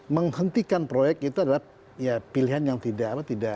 menghentikan proyek itu adalah ya pilihan yang tidak apa tidak